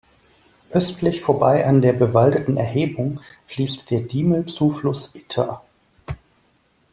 Östlich vorbei an der bewaldeten Erhebung fließt der Diemel-Zufluss Itter.